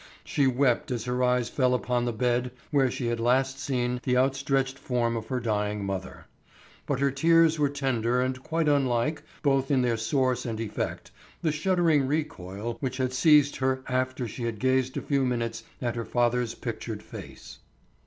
She wept as her eyes fell upon the bed where she had last seen the outstretched form of her dying mother; but her tears were tender and quite unlike, both in their source and effect, the shuddering recoil which had seized her after she had gazed a few minutes at her father's pictured face.